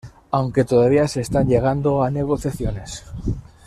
Aunque todavía se están llegando a negociaciones.